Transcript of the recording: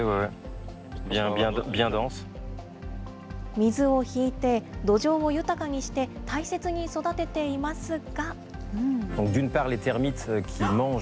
水を引いて、土壌を豊かにして大切に育てていますが。